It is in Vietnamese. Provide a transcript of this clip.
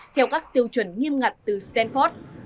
theo các tiêu chuẩn nghiêm ngặt từ stanford